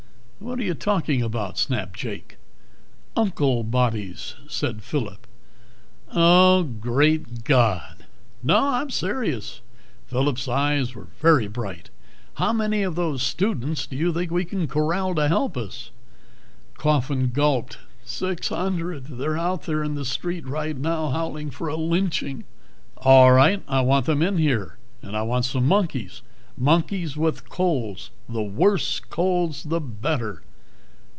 "What are you talking about?" snapped Jake. "Unclebodies," said Phillip. "Oh, great God!" "No, I'm serious." Phillip's eyes were very bright. "How many of those students do you think you can corral to help us?" Coffin gulped. "Six hundred. They're out there in the street right now, howling for a lynching." "All right, I want them in here. And I want some monkeys. Monkeys with colds, the worse colds the better."